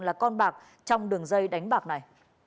là con bạc trong đường dây đánh bạc này